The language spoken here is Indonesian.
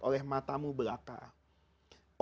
oleh matamu belakang